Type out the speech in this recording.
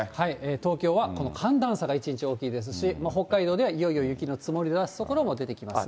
東京は寒暖差が一日大きいですし、北海道ではいよいよ雪の積もりだす所も出てきますね。